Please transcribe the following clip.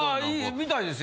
みたいですよ。